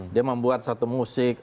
dia membuat satu musik